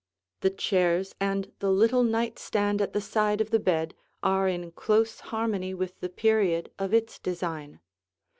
The chairs and the little night stand at the side of the bed are in close harmony with the period of its design.